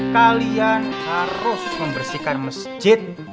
kalian harus membersihkan masjid